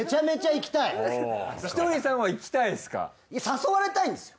ひとりさんは行きたいんですか？